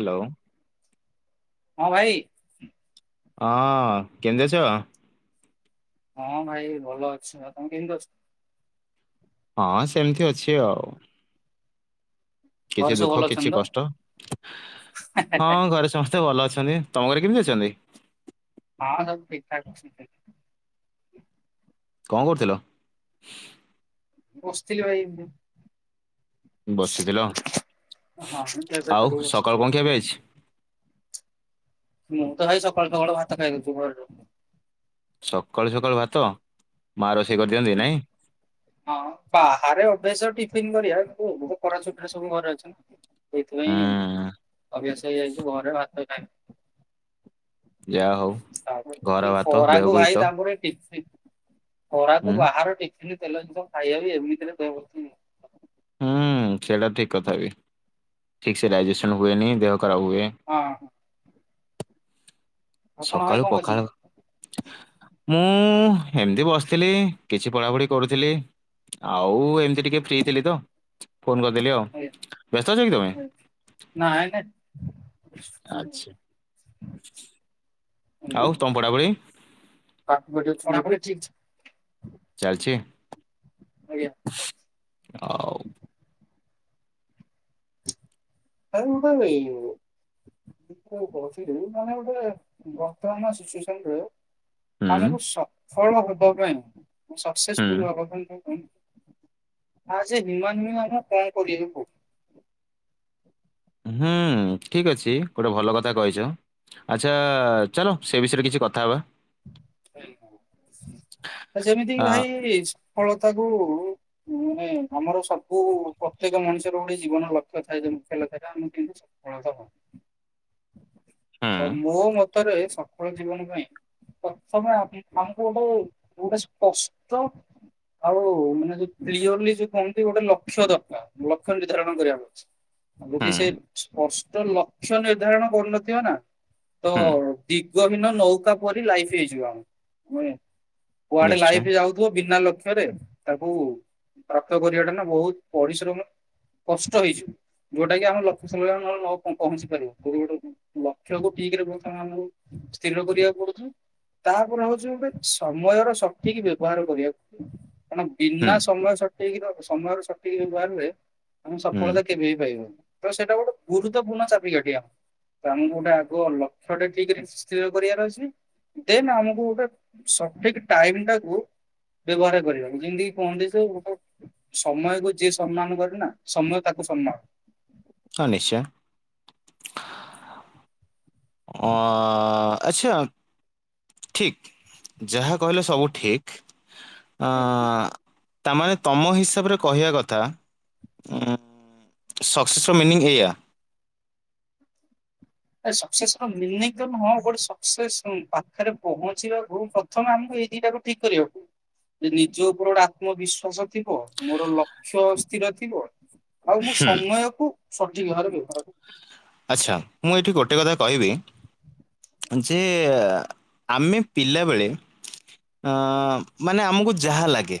Hello ହଁ ଭାଇ। ଅଂ କେମିତି ଅଛ? ହଁ ଭାଇ ଭଲ ଅଛି ଆଉ ତମେ କେମିତି ଅଛ? ହଁ ସେମିତି ଅଛି ଆଉ। ଘରେ କିଛି ସବୁ ଦୁଃଖ ଭଲ କିଛି ଅଛନ୍ତି ତ? କଷ୍ଟ ହଁ ଘରେ ସମ ସ୍ତେ ମତେ ଭଲ ଅଛନ୍ତି ତମ ଘରେ କେମିତି ଅଛନ୍ତି? ହଁ ସବୁ ଠିକ୍ ଠାକ୍। [unintelligible] କଣ କରୁଥିଲ? ବସିଥିଲି ଭାଇ ଏମ୍ତି। ବସିଥିଲ [unintelligible] ହଁ [unintelligible] କେବେ [unintelligible] ମୁଁ ତ ଭାଇ ସକାଳୁ ସକାଳୁ ଭାତ ଖାଇଦଉଛି ଘରରୁ। ସକାଳୁ ସକାଳୁ ଭାତ ମା ରୋଷେଇ କରିଦିଅନ୍ତି ନାଇଁ। ହଁ ବାହାରେ ଅଭ୍ୟାସ ଟିଫନ୍ କରିଆ [unintelligible] ଖରା ଛୁଟିରେ ସବୁ ଘରେ ଅଛନ୍ତି। ସେଇଥିପାଇଁ ହୁଁ ଅଭ୍ୟାସ ହେଇଯାଇଛି ଘରେ ଭାତ ଖାଇବା। ଯାହା ହଉ ଘର ତାପରେ ଏ ଭାତ ଖରାକୁ ଦେହକୁ ହିତ ଭାଇ ତାପରେ ଟିଫିନ୍ ଖରା କୁ ହୁଁ ବାହାର ଟିଫିନି ତେଲ ଜିନିଷ ଖାଇବା ବି ଏମିତିରେ ଦେହ ପ୍ରତି ହୁଁ ସେଇଟା ଠିକ୍ କଥା ବି ଠିକ୍ ସେ ଡାଇଜେସନ୍ ହୁଏନି ଦେହ ଖରାପ ହୁଏ। ହଁ। ଆପଣ ଭାଇ ସକାଳୁ କଣ କରୁଛନ୍ତି? ପଖାଳ ମୁଁ ଏମ୍ତି ବସିଥିଲି କିଛି ପଢ଼ା ପଢ଼ି କରୁଥିଲି। ଆଉ ଏମ୍ତି ଟିକେ ଫ୍ରି ଥିଲି ତ ଫୋନ୍ କରିଦେଲି ଆଉ ବ୍ୟସ୍ତ ଅଛ କି ତମେ? ନାଇଁ ନାଇଁ। ଆଚ୍ଛା ଆଉ ତମ ପଢ଼ା ପଢ଼ି? [unintelligible] ବିଡିଓ ପଢ଼ା ପଢ଼ି ଠିକ୍ ଚାଲିଛି? ଆଜ୍ଞା। [unintelligible] ଆଉ। [unintelligible] [unintelligible] ମାନେ ଗୁଟେ ବର୍ତ୍ତମାନ ସିଚୁଏସନ୍ ରେ ହୁଁ ଆମକୁ ସଫଳ ହବା ପାଇଁ ହୁଁ ସକ୍ସେସଫୁଲ୍ ହବା ପାଇଁ କ ଏଜ୍ ଏ ହ୍ୟୁମାନ୍ ବିଂଗ୍ ଆମ କଣ କରିବାକୁ ପ [unintelligible] ହୁଁ ଠିକ୍ ଅଛି ଗୋଟେ ଭଲ କଥା କହିଛ। ଆଚ୍ଛା ଚାଲ ସେ ବିଷୟରେ କିଛି କଥା ହବା। [unintelligible] ଯେମିତିକି ଆ ଭାଇଜ୍ ଫଳତାକୁ ନେ ଆମର ସବୁ ପ୍ରତ୍ୟେକ ମଣିଷର ଗୋଟେ ଜୀବନର ଲକ୍ଷ୍ୟ ଥାଏ ଯେ ମୁଖ୍ୟ ଲକ୍ଷ୍ୟ ତା ଆମଁ କି [unintelligible] ହଁ ହୁଁ ଓ ମୋ ମତରେ ସଫଳ ଜୀବନ ପାଇଁ ସମୟ ଆପି ଆମକୁ ଗୋଟେ ଗୋଟେ ସ୍ପଷ୍ଟ ଆଉ ମାନେ ଯୋଉ କ୍ଲିୟରଲି ଯୋଉ କହନ୍ତି ଗୋଟେ ଲକ୍ଷ୍ୟ ଦରକାର ଲକ୍ଷ୍ୟ ନିର୍ଦ୍ଧାରଣ କରିବାକୁ ହୁଁ ଯଦି ସେ ସ୍ପଷ୍ଟ ଲ କ୍ଷ୍ୟ ନିର୍ଦ୍ଧାରଣ କରୁନଥିବେ ନା ତ ହୁଁ ଦିଗହୀନ ନୌକା ପରି ଲାଇଫ୍ ଫି ହୋଇଯିବ ଆଉ [unintelligible] କୁଆଡେ ନିଶ୍ଚୟ ଲାଇଫ୍ ଯାଉ ଥୁଅ ବିନା ଲକ୍ଷ୍ୟରେ ତାକୁ ପ୍ରାପ୍ତ କରିବାଟା ନା ବହୁତ୍ ପରିଶ୍ରମ କଷ୍ଟ ହେଇଛୁ ଯୋଉଟା କି ଆମ ଲକ୍ଷ ସ୍ଥଳିରେ ଆମ ନ ପ ପହଞ୍ଚି ପାରିବୋ। [unintelligible] ଲକ୍ଷ୍ୟକୁ ଠିକ୍ ରେ ବହୁତ୍ କାମ ଆମକୁ ସ୍ଥିର କରିବାକୁ ପଡୁଛି ତାପରେ ହଉଛି ଗୋଟେ ସମୟର ସଠିକ୍ ବ୍ୟବହାର କରିବାକୁ କାରଣ ହୁଁ ବିନା ସମୟ ସ ଠିକ୍ ର ସମୟର ସଠିକ୍ ବ୍ୟବହାରରେ ତମେ ହୁଁ ସଫଳତା କେବେ ବି ପାଇବନି। ତ ସେଟା ଗୋଟେ ଗୁରୁତ୍ୱପୂର୍ଣ୍ଣ ଚାପି କାଠି ଆମର। ତ ଆମକୁ ଗୋଟେ ଆଗ ଲକ୍ଷ୍ୟ ଟା ଠିକରେ ସ୍ଥିର କରିବାର ଅଛି। ଦେନ ଆମକୁ ଗୋଟେ ସଠିକ ଟାଇମଟା କୁ ବ୍ୟବହାର କରିବାକୁ ଯେମତି କହନ୍ତି ସବୁ ଗୋଟେ ଗୋ ସମୟକୁ ଯିଏ ସମ୍ମାନ କରେ ନା ସମୟ ତାକୁ ସମ୍ମାୟ ହଁ ନିଶ୍ଚୟ। ଓଁ ଆଚ୍ଛା। ଠିକ ଯାହା କହିଲେ ସବୁ ଠିକ ଆଁ ତାମାନେ ତମ ହିସାବରେ କହିବା କଥା ଉଁ ସକ୍ସୋ ମିନିଂ ଏଇଆ ସକ୍ସେସ ର ମିନିଂ ତ ନୁହଁ ଗୁଟ୍ ସକ୍ସେସ ବା ଖରେ ପହଞ୍ଚିବାକୁ ପ୍ରଥମେ ଆମକୁ ଏଇ ଦିଟାକୁ ଠିକ କରିବାକୁ ନିଜ ଉପରେ ଗୋଟେ ଆତ୍ମବିଶ୍ଵାସ ଥିବ ମୋର ଲକ୍ଷ୍ୟ ସ୍ଥିର ଥିବ ଆଉ ମୁଁ ହୁଁ ସମୟ କୁ ସଠିକ ଭାବରେ ବ୍ୟବହାର ଆଚ୍ଛା ମୁଁ ଏଠି ଗୋଟିଏ କଥା କହିବି ଯେ ଆମେ ପିଲାବେଳେ ଆଁ ମାନେ ଆମକୁ ଯାହା ଲାଗେ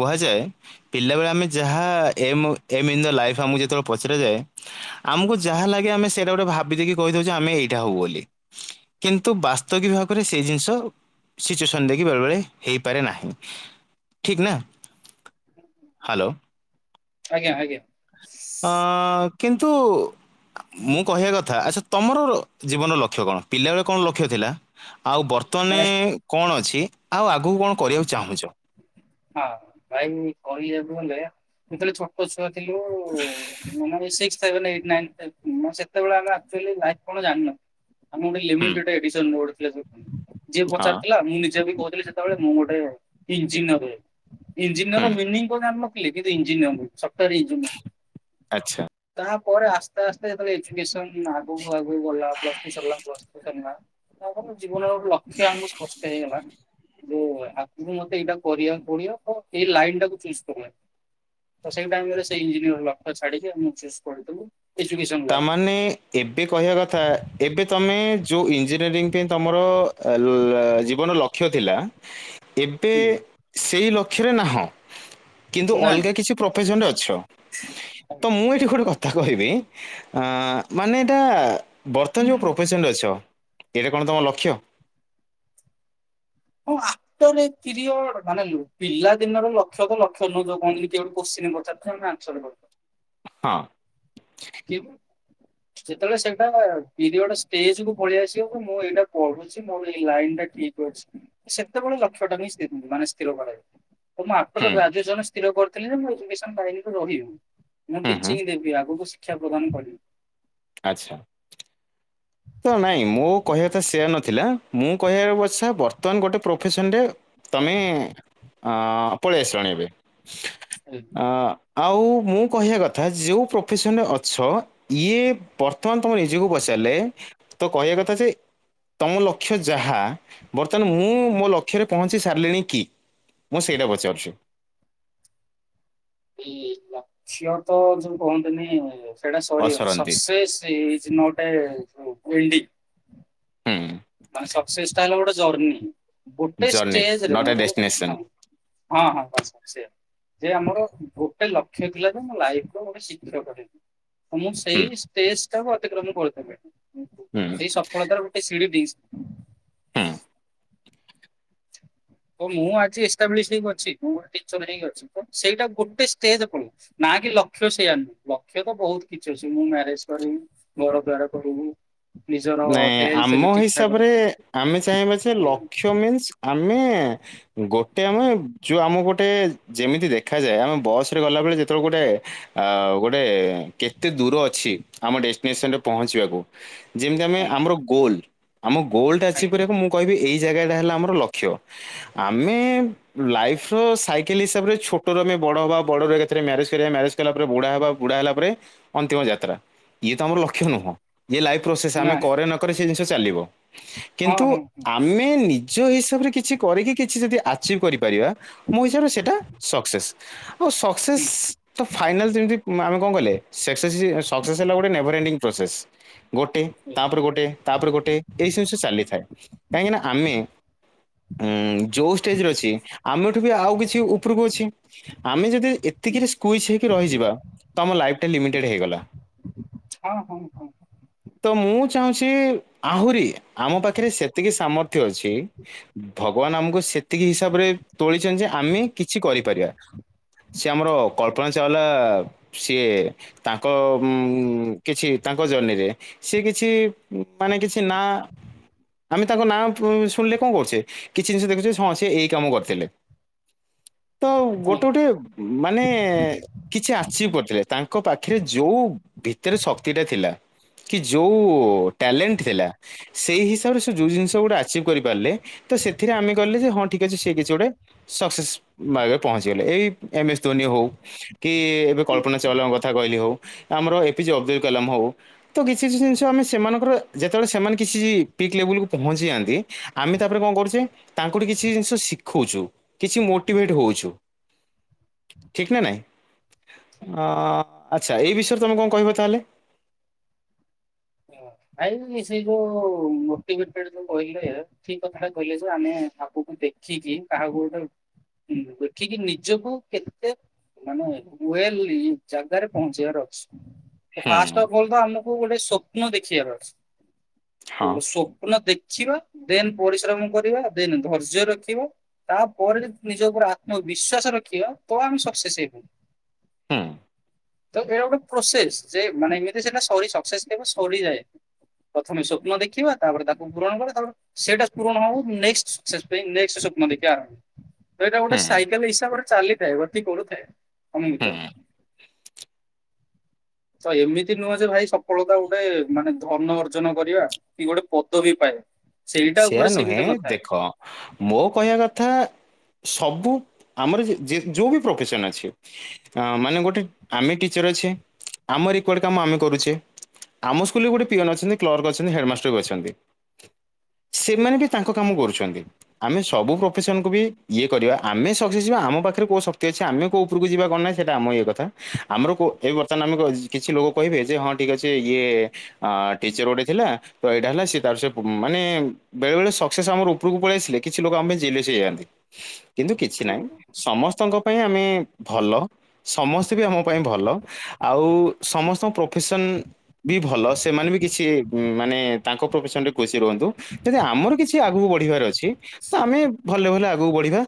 କୁହାଯାଏ। ପିଲାବେଳେ ଆମେ ଯାହା aim aim in the life ଆମକୁ ଯେତେବେଳେ ପଚାରାଯାଏ। ଆମକୁ ଯାହା ଲାଗେ ଆମେ ସେଟା ଗୋଟେ ଭାବି ଦେଇକି କହିଦେଉ ଯେ ଆମେ ଏଇଟା ହଉ ବୋଲି। କିନ୍ତୁ ବାସ୍ତବି ଭାବରେ ସେଇ ଜିନିଷ ସିଚୁଏସନ ଦେଇକି ବେଳେ ବଳେ ହେଇପାରେ ନାହିଁ ଠିକ ନା। ହ୍ୟାଲୋ ଆଜ୍ଞା ଆଜ୍ଞା। ଓଁ କିନ୍ତୁ। ଆ ମୁଁ କହିବା କଥା ଆଚ୍ଛା ତମର ଜୀବନର ଲକ୍ଷ୍ୟ କଣ ପିଲାବେଳେ କଣ ଲକ୍ଷ୍ୟ ଥିଲା? ଆଉ ବର୍ତ୍ତମାନେ ଭାଇ କଣ ଅଛି ଆଉ ଆଗକୁ କଣ କରିବାକୁ ଚାହୁଁଛ? ହଁ ଭାଇ କାଇଆକୁ ଗଲେ ଯେତେବଳେ ଛୋ ପଛୁଆ ଥିଲୁ ମନାବି ସି ସେଭେନ ଏଇଟ୍ ନାଇନ ଟେନ ମ ସେତେବେଳେ ଆମେ ଆକଚୁଆଲି ଲାଇଭ କଣ ଜାଣିନ ଆମେ ଗୋଟେ ହୁଁ ଲିମିଟେଟ ଏଡିସନ୍ [unintelligible] ଯିଏ ହଁ ପଚାରଥିଲା ମୁଁ ନିଜେ ବି କହୁଥିଲି ଜ ସେତେବେଳେ ମୁଁ ଗୋଟେ ଇଞ୍ଜିନିୟର ହୁଏ ଇଞ୍ଜିନିୟର ହୁଁ ର ମିନିଂ କ ଜାଣିଲନ ଲି କିନ୍ତୁ ଇଞ୍ଜିନିୟର ନୁଅ ସପ୍ଟୟ ଆଚ୍ଛା। ତାପରେ ଆସ୍ତେ ଆସ୍ତେ ଯେତେବେଳେ ଏଜୁକେସନ ଆଗକୁ ଆଗକୁ ଆଗକୁ ଗଲା ପ୍ଲସ୍ ଥ୍ରି ସଲା ପ୍ଲ ଟୁ ସଲା ତା ପରେ ଜୀବନ ଗୋଟେ ଲକ୍ଷ୍ୟ ଆମକୁ ସ୍ପଷ୍ଟ ହେଇଗଲା ଯେ ଆଗ ମତେ ଏଇଟା କରିଆକୁ [unintelligible] ଏଇ ଲାଇନ ଟାକୁ ଚୁଜ କଲେ ତ ସେଇ ଟାଇମ ରେ ସେଇ ଇଞ୍ଜିନିୟର ଲକ୍ଷ୍ୟ ଛାଡିକି ମୁଁ ଚୁଜ କରିଦେଲୁ। ତା ମାନେ ଏବେ କହିବା କଥା ଏବେ ତମେ ଯୋଉ ଇଞ୍ଜିନିୟରିଂ ପାଇଁ ତମର ଆ ଜୀବନ ଲ କ୍ଷ୍ୟ ଥିଲା ଏବେ ହୁଁ ସେଇ ଲକ୍ଷ୍ୟରେ ନାହଁ। କିନ୍ତୁ ନାଇଁ ଅଲଗା କିଛି ପ୍ରୋଫେସନରେ ଅଛ ତ ମୁଁ ଏଠି ଗୋଟେ କଥା କହିବି ଆଁ ମାନେ ଏଟା ବର୍ତ୍ତମାନ ଯେଉ ପ୍ରୋଫେସନରେ ଅଛ ଏଇଟା କଣ ତମ ଲକ୍ଷ୍ୟ? [unintelligible] [unintelligible] ମାନେ ପିଲା ଦିନର ଲକ୍ଷ ତ ଲକ୍ଷ ନୁଅ ତାକୁ କଅନ୍ତି କିଏ ଗୋଟେ କ୍ୱସେନ ପଚାର୍ ଥିଲା ତାକୁ ଆନସର୍ ହଁ। କିହୁ ଯେତେବେଳେ ସେ ଟା ପିରିୟଡ ଷ୍ଟେଜ କୁ ପଳେଇଆସିବ ମୁଁ ଏଇଟା ପଢୁଛି ମୋର ଏ ଲାଇନ ଟା ଠିକ ଅଛି ସେତେବେଳେ ଲକ୍ଷ ଟାକୁ ହିଁ ସ୍ଥି ମାନେ ସ୍ଥିର କରା ମୁଁ ହୁଁ ଆଫଟର ଗ୍ରାଜୁଏସନ ସ୍ଥିର କରିଥିଲି ମୁଁ ଏଡମିସନ ବାହିନୀ ରେ ରହିବି ମୁଁ ହୁଁ ହୁଁ ଟିଚିଂ ଦେବି ଆଗକୁ ଶିକ୍ଷା ପ୍ରଦାନ କରିବି। ଆଚ୍ଛା। ତ ନାଇଁ ମୋ କହିବା ତ ସେୟା ନଥିଲା ମୁଁ କହିବା ବଛା ବର୍ତ୍ତମାନ ଗୋଟେ ପ୍ରଫେସନ ରେ ତମେ ଅ ପଳେଇ ଆସଣି ଏବେ ହୁ। ଆଉ ମୁଁ କହିବା କଥା ଯେଉଁ ପ୍ରଫେସନରେ ଅଛ ଇଏ ବର୍ତ୍ତମାନ ତମ ନିଜକୁ ପଚାରିଲେ ତ କହିବା କଥା ଯେ ତମ ଲକ୍ଷ୍ୟ ଯାହା ବର୍ତ୍ତମାନ ମୁଁ ମୋ ଲକ୍ଷ୍ୟରେ ପହଞ୍ଚି ସାରିଲିଣି କି ମୁଁ ସେଇଟା ପଚାରୁଛି, ଏ ଲକ୍ଷ୍ୟ ତ ଯୋଉ କୁହନ୍ତିନି, ସେଟାେ ସ ଅସରନ୍ତି ସକସେସ ହେଇଛି ନଟ ଏ ପେଣ୍ଡିଗଙ୍ଗ ହୁଁ। ବାସ୍ ସକ୍ସେସ୍ ହେଲା ଗୋଟେ ଜର୍ନି ଗୋଟେ ଜର୍ଣ୍ଣି ଷ୍ଟେଜରେ ନଟ୍ ଏ ମୋର ଡେଷ୍ଟିନେସନ ଗୋଟେ ହଁ ହଁ ବାସ ବାସ୍ ସେୟ ଯେ ଆମର ଗୋଟେ ଲକ୍ଷ୍ୟ ଥିଲା ଯେ ମୋ ଲାଇଫ ର ଗୋଟେ ଶିକ୍ଷକ ହେବି, ତ ମୁଁ ହୁଁ ସେଇ ଷ୍ଟେଜ ଟାକୁ ଅତିକ୍ରମ କରିଦେଲିନି ହୁଁ ସେଇ ସଫଳତାର ଗୋଟେ ସ ଦିଜ ହଁ। ମୁଁ ଆଜି ଏକ୍ସଟାବିଲିଶ ହେଇକି ଅଛି ମୁଁ ଟିଚର ହେଇି ଅଛି ସେଇଟା ଗୋଟେ ଷ୍ଟେଜ ପ ନା କି ଲକ୍ଷ୍ୟ ସେଆାର ନୁହଁ ଲକ୍ଷ୍ୟ ତ ବହୁତ କିଛି ଅଛି ମୁଁ ମ୍ୟାରେଜ କରିବି, ଘର ଗଡ କରିବି ନିଜର ନାଇଁ ହେଲ୍ଥ ଆମ ବି ଠିକ ଠାକ ହିସାବରେ ରଖିବି ଆମେ ଚାହିଁବା ଯେ ଆଜ୍ଞା ଲକ୍ଷ୍ୟ ମିନ୍ଶ୍ ଆମେ ଗୋଟେ ଆମେ ଯୋଉ ଆମ ଗୋଟେ ଯେମିତି ଦେଖାଯାଏ ଆମେ ବସ ରେ ଗଲାବେଳେ ଯେତେବେଳେ ଗୋଟେ ଆ ଗୋଟେ କେତେ ଦୂର ଅଛି ଆମ ଡେଷ୍ଟିନେସନ ରେ ପହଞ୍ଚିବାକୁ ଯେମିତି ଆମେ ଆମର ଗୋଲ ଆମ ଗୋଲ ଟା ଆଜ୍ଞା ଆରଚିଭ ଆଜ୍ଞା। କରିବାକୁ ମୁଁ କହିବି ଏଇ ଜାଗା ଟା ହେଲା ଆମର ଲକ୍ଷ୍ୟ ଆମେ ଲାଇଫ ର ସାଇକେଲ ହିସାବରେ ଛୋଟ ର ଆମେ ବଡ ହବା ବଡ ଏକାଥରେ ମ୍ୟାରେଜ କରିବା ମ୍ୟାରେଜ କଲା ପରେ ବୁଢା ହେବା ବୁଢା ହେଲା ପରେ ଅନ୍ତିମ ଯାତ୍ରା। ଇଏ ତ ଆମର ଲକ୍ଷ କ୍ଷ ନୁହଁ ୟେ ଲାଇଫ ପ୍ରୋସେସ ନା ଆମେ କରେ ନ କରେ ସେ ଜିନିଷ ଚାଲିବ। ହଁ କିନ୍ତୁ ହଁ ହଁ ଆମେ ନିଜ ହିସାବରେ କିଛି କରିକି କିଛି ଯଦି ଆଚିଭ୍ କରିପାରିବା ମୋ ହିସାବରେ ସେଇଟା ସକ୍ସେସ୍। ଆଉ ହୁଁ ସକ୍ସେସ୍ ତ ଫାଇନାଲ ଯେମିତି ଆମେ କଣ କହିଲେ ସକ୍ସେ ସକ୍ସେସ୍ ହେଲା ଗୋଟେ ନେଭର ଏଣ୍ଡିଙ୍ଗ ପ୍ରୋସେସ୍। ଗୋଟେ ହୁଁ ତାପରେ ଗୋଟେ ତାପରେ ଗୋଟେ ଏଇ ଜିନିଷ ଚାଲିଥାଏ କାହିଁକିନା ଆମେ ଉ ଯଉ ଷ୍ଟେଜରେ ଅଛି ଆମ ଏଠୁ ବି ଆଉ କିଛି ଉପରକୁ ଅଛି ଆମେ ଯଦି ଏତିକିରେ ସ୍କୁଇଚ ହେଇକି ରହିଯିବା ତମ ଲାଇଫ ଟା ଲିମିଟେଡ ହେଇଗଲା। ହଁ ହଁ ହଁ। ତ ମୁଁ ଚାହୁଁଛି ଆହୁରି ଆମ ପାଖରେ ସେତିକି ସାମର୍ଥ୍ୟ ଅଛି। ଭ ଭଗବାନ ଆମକୁ ସେତିକି ହିସାବରେ ତୋଳିଛନ୍ତି ଯେ ଆମେ କିଛି କରିପାରିବା। ସେ ଆମର କଳ୍ପନା ଚାଉଲା ସିଏ ତାଙ୍କ ଉ କିଛି ତାଙ୍କ ଜର୍ନିରେ ସେ କିଛି ମାନେ କିଛି ନା ଆମେ ତାଙ୍କ ନାଁ ଶୁଣିଲେ କଣ କରୁଛେ କିଛି ଜିନିଷ ଦେଖୁଛେ ହଁ ସେ ଏଇ କାମ କରିଥିଲେ। ତ ଗୋଟେ ଗୋଟେ ମାନେ କିଛି ଆଚିଭ୍ କରିଥିଲେ, ତାଙ୍କ ପାଖରେ ଯୋଉ ଭିତରେ ଶକ୍ତିଟା ଥିଲା। କି ଯୋଉ ଟ୍ୟାଲେଣ୍ଟ ଥିଲା, ସେଇ ହିସାବରେ ସେ ଯୋଉ ଜିନିଷ ଗୋଟେ ଆଚିଭ କରିପାରିଲେ ତ ସେଥିରେ ଆମେ କହିଲେ ଯେ ହଁ ଠିକ ଅଛି ସେ କିଛି ଗୋଟେ ସକ୍ସେସ୍ ମାର୍ଗରେ ପହଞ୍ଚିଗଲେ। ଏଇ ଏମ ଏସ୍ ଧୋନି ହଉ କି ଏବେ ହୁଁ। କଳ୍ପନା ଚାୱଲାଙ୍କ କଥା କହିଲି ହେଉ, ଆମର ଏ ପିଜେ ଅବଦୁଲ କଲାମ ହେଉ ତ କିଛି କିଛି ଜିନିଷ ଆମେ ସେମାନଙ୍କର ଯେତେବେଳେ ସେମାନେ କିଛି ପିକ୍ ଲେବୁଲକୁୁ ପହଞ୍ଚି ଯାଆନ୍ତି ଆମେ ତାପରେ କଣ କରୁଛେ ତାଙ୍କୁଠିକେ କିଛି ଜିନିଷ ଶିଖଉଛୁ। କିଛି ମୋଟିଭେଟ ହଉଛୁ ଠିକ ନା ନାଇଁ? ହୁଁ। ଅ ଆଚ୍ଛା ଏଇ ବିଷୟରେ ତମେ କଣ କହିବ ତାହେଲେ। ହ। ଭାଇ ବୁନି ସେଇ ଯୋଉ ମୋଟିଭେଟେଡ ଯୋଉ କହିଲେ ଠିକ କଥା ଟା କହିଲେ ଯୋଉ ଆମେ ଆପୁପୁ ଦେ ଦେଖିକି କାହାକୁ ଗୋଟେ ଦେଖିକି ନିଜକୁ କେତେ ମାନେ ୱେଲ ଜାଗାରେ ପହଞ୍ଚେଇବାର ଅଛି। ହୁଁ, ଫାଷ୍ଟ ଅଫ୍ ଫୁଲ୍ ତ ଆମକୁ ଗୋଟେ ସ୍ୱପ୍ନ ଦେଖିବାର ଅଛି। ହଁ, ଗୋଟେ ସପ୍ନ ଦେଖିବା ଦେନ ପରିଶ୍ରମ କରିବା ଦେନ ଧୈର୍ଯ୍ୟ ରଖିବା। ତାପରେ ଯଦି ନିଜ ଉପରେ ଆତ୍ମବିଶ୍ୱାସ ରଖିବା ତ ଆମେ ସକ୍ସେସ୍ ହେଇପା ହୁଁ। ତ ଏଇଟା ଗୋଟେ ପ୍ରୋସେସ ଯେ ମାନେ ଏମିତି ସେଟା ସରି ସକ୍ସେସ୍‌ ପାଇବା ସଡ଼ିଯାଏ। ପ୍ରଥମେ ସ୍ୱପ୍ନ ଦେଖିବା ତାପରେ ତାକୁ ପୂରଣ କରିବା ତାପରେ ସେଇଟା ପୂରଣ ହଉ ହଉ ନେକ୍ସଟ ସକ୍ସେସ ପାଇଁ ନେକ୍ସଟ ସ୍ବପ୍ନ ଦେଖିବା ଆରମ୍ଭ ତ ଏଇଟା ଗୋଟେ ହୁଁ, ସାଇକେଲ ହିସାବ ଗୋଟେ ଚାଲିଥାଏ ଗତି କଡୁଥାଏ। ଅମିମିତ ହୁଁ। ଏମିତି ନୁହଁ ଯେ ଭାଇ ସଫଳତା ଗୋଟେ ମାନେ ଧନ ଅର୍ଜନ କରିବା କି ଗୋଟେ ପଦବୀ ପାଏ। ସେଇଟା ସେୟା ଉପରେ ନୁହେଁ ସୀମିତ ନଥାଏ। ଦେଖ ମୋ କହିବା କଥା ସବୁ ଆମର ଯେ-ଯେ ଯୋଉ ବି ପ୍ରଫେସନ ଅଛି। ମାନେ ଗୋଟେ ଆମେ ଟିଚର ଅଛେ ଆମରି କୋଡେ କାମ ଆମେ କରୁଚେ। ଆମ ସ୍କୁଲରେ ଗୋଟେ ପିଅନ ଅଛନ୍ତି କ୍ଲର୍କ ଅଛନ୍ତି ହେଡମାଷ୍ଟର ବି ଅଛନ୍ତି। ସେମାନେ ବି ତାଙ୍କ କାମ କରୁଚନ୍ତି। ଆମେ ସବୁ ପ୍ରଫେସନକୁୁ ବି ଇଏ କରିବା ଆମେ ସକ୍ସେସ ଯିବା ଆମ ପାଖେରେ କୋଉ ଶକ୍ତି ଅଛି ଆମେ କୋଉ ପୁରୁକୁ ଯିବା କଣ ନାହିଁ ସେଇଟା ଆମ ଇଏ କଥା ଆମର କୋ ଉ ଏବେ ବର୍ତ୍ତମାନ ଆମେ କ କିଛି ଲୋକ କହିବେ ଯେ ହଁ ଠିକ ଅେ ଇଏ ଆ ଟିଚର ଗୋଟେ ଥିଲା ତ ଏଇଟା ହେଲା ସି ତାର ସେ ମାନେ ବେଳେ ବେଳେ ସକ୍ସେସ୍ ଆମର ଉପରକୁ ପଳେଇ ଆସିଲେ କିଛି ଲୋକ ଆମେ ଜିଲେସ୍ ହେଇ ଯଆନ୍ତି। କିନ୍ତୁ କିଛି ହୁଁ, ନାହିଁ ସମସ୍ତଙ୍କ ପାଇଁ ଆମେ ଭଲ ସମସ୍ତେ ବି ଆମ ପାଇଁ ଭଲ ଆଉ ସମସ୍ତଙ୍କ ପ୍ରୋଫେସନ୍ ବି ଭଲ ସେମାନେ ବି କିଛି ମାନେ ତାଙ୍କ ପ୍ରଫେସନ ରେ ଖୁସି ରୁହନ୍ତୁ। ଯଦି ଆମର କିଛି ଆଗକୁ ବଢିବାର ଅଛି ତ ଆମେ ଭଲରେ ଭଲରେ ଆଗକୁ ବଢିବା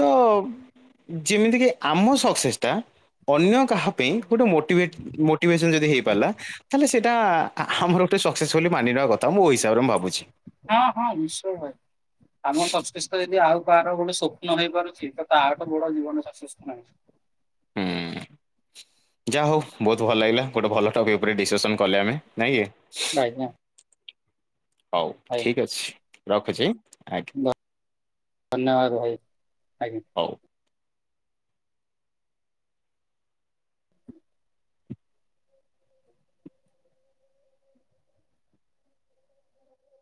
ତ ଯେମିତିକି ଆମ ସକ୍ସେସ୍ ଟା ଅନ୍ୟ କାହା ପାଇଁ ଗୋଟେ ମୋଟିଭେଟ ମୋଟିଭେସନ ଯଦି ହେଇ ପାରିଲ ତାଲେସେ ଟା ଆମର ଗୋଟେ ସକ୍ସେସବୋଲି ମାନିନବା କଥା ମୋ ହିସାବରେ ମୁ ଭାବୁଛି। ହଁ ହଁ ନିଶ୍ଚୟ ଭାଇ। ଆମ ସଂଶିଷ୍ଟ ଯଦି ଆଉ କାହାର ଗୋଟେ ସ୍ୱପ୍ନ ହେଇପାରୁଚି ତ ତାଠୁ ବଡ ଜୀବନ ସସ୍ ନାଇଁ। ହୁଁ। ଯାହା ହଉ ବହୁତ ଭଲ ଲାଗିଲା ଗୋଟେ ଭଲ ଟପିକ ଉପରେ ଡିସକସନ କଲେ ଆମେ ନାଇଁ କି। ଭାଇ ନା। ହଉ ଠିକ ଅଛି ରଖୁଚି ଆଜ୍ଞା। ଧନ୍ୟବାଦ ଭାଇ ଆଜ୍ଞା। ହଉ।